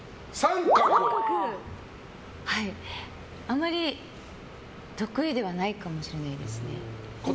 あんまり得意ではないかもしれないですね。